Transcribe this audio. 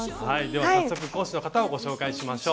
では早速講師の方をご紹介しましょう。